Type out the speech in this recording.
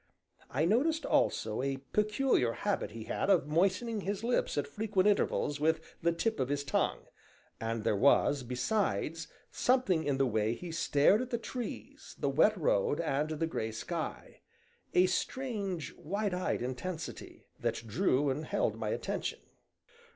I noticed also a peculiar habit he had of moistening his lips at frequent intervals with the tip of his tongue, and there was, besides, something in the way he stared at the trees, the wet road, and the gray sky a strange wide eyed intensity that drew and held my attention.